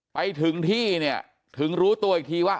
ไปถึงที่เนี่ยถึงรู้ตัวอีกทีว่า